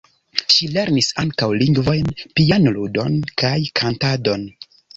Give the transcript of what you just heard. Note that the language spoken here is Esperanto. Ŝi lernis ankaŭ lingvojn, pianludon kaj kantadon.